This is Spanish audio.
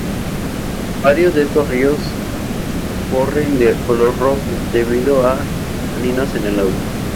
Varios de estos ríos corren de color rojo debido a taninos en el agua.